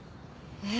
えっ。